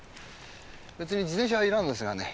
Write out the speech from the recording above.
別に自転車はいらんのですがね